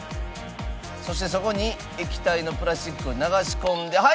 そしてそこに液体のプラスチックを流し込んで。